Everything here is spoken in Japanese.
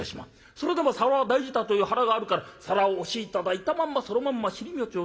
それでも皿は大事だという腹があるから皿を押し頂いたまんまそのまんま尻餅をつく。